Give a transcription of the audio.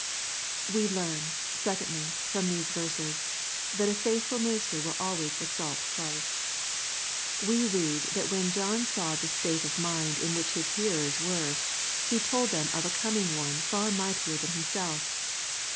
We learn, secondly, from these verses, that a faiihfvl minister will always exalt Christ We read that when John saw the state of mind in which his hearers were, he told them of a coming One far mightier than himself.